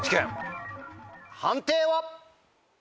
判定は？